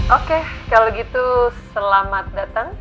oke kalau gitu selamat datang